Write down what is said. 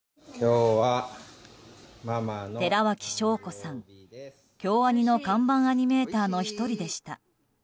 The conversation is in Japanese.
寺脇晶子さん、京アニの看板アニメーターの１人でした。